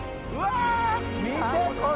見てこれ！